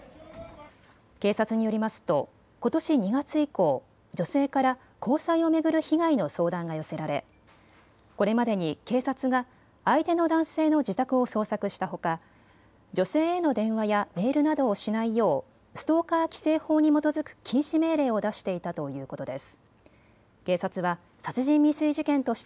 警察によりますとことし２月以降、女性から交際を巡る被害の相談が寄せられこれまでに警察が相手の男性の自宅を捜索したほか女性への電話やメールなどをしないようストーカー規制法に基づく禁止命令を出していたということです。